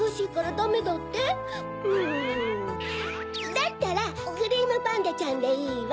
だったらクリームパンダちゃんでいいわ。